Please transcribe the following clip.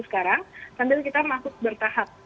sekarang sambil kita masuk bertahap